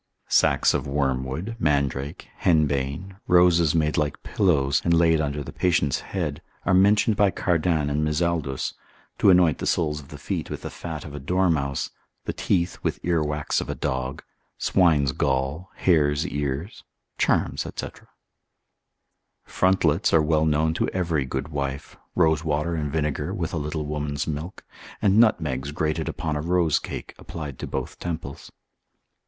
Sacks of wormwood, mandrake, henbane, roses made like pillows and laid under the patient's head, are mentioned by Cardan and Mizaldus, to anoint the soles of the feet with the fat of a dormouse, the teeth with ear wax of a dog, swine's gall, hare's ears: charms, &c. Frontlets are well known to every good wife, rosewater and vinegar, with a little woman's milk, and nutmegs grated upon a rose cake applied to both temples.